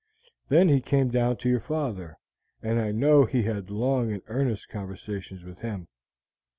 Then he came down to your father, and I know he had long and earnest conversations with him.